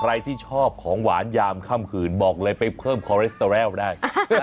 ใครที่ชอบของหวานยามค่ำคืนบอกเลยไปเพิ่มคอเรสเตอแรลได้